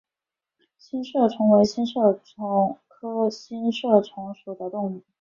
星射虫为星射虫科星射虫属的动物。